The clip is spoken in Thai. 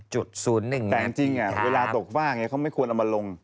จริงอะเวลาตกฝ้างเขาไม่ควรเอามาลง